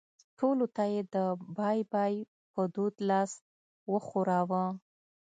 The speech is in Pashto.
ټولو ته یې د بای بای په دود لاس وښوراوه.